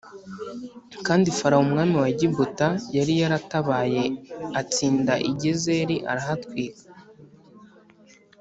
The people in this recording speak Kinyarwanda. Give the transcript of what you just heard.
Kandi Farawo umwami wa Egiputa yari yaratabaye atsinda i Gezeri arahatwika